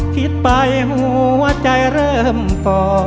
คิดไปหัวใจเริ่มฝ่อ